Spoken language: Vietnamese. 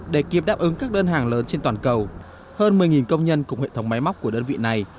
để kịp đáp ứng các đơn hàng lớn trên toàn cầu hơn một mươi công nhân cùng hệ thống máy móc của đơn vị này